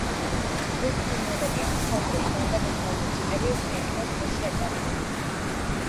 ზღვის ფრინველებია, მთელ დროს, გარდა გამრავლების პერიოდისა, ღია ზღვაში ატარებენ.